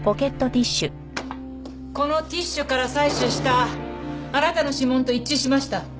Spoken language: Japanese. このティッシュから採取したあなたの指紋と一致しました。